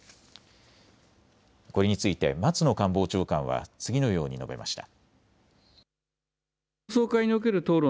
これについて松野官房長官は次のように述べました。